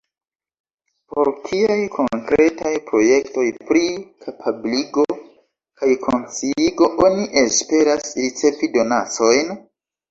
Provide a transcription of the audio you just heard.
Por kiaj konkretaj projektoj pri kapabligo kaj konsciigo oni esperas ricevi donacojn?